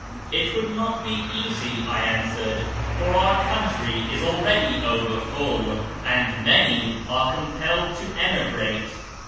" It would not be easy," I answered, " for our country is already over full, and many are compelled to emigrate.